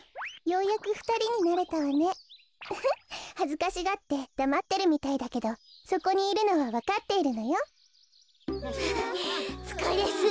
ウフッはずかしがってだまってるみたいだけどそこにいるのはわかっているのよ。はあつかれすぎる。